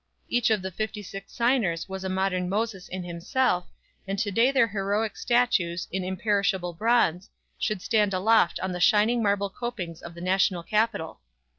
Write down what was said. Each of the fifty six signers was a modern Moses in himself, and to day their heroic statues, in imperishable bronze, should stand aloft on the shining marble copings of the National Capitol.